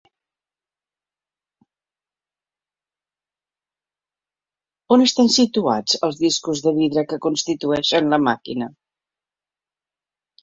On estan situats els discos de vidre que constitueixen la màquina?